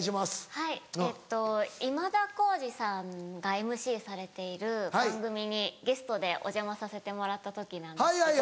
はいえっと今田耕司さんがＭＣされている番組にゲストでお邪魔させてもらった時なんですけど。